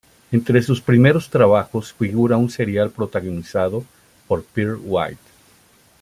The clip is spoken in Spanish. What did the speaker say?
Entre sus primeros trabajos figura un serial protagonizado por Pearl White.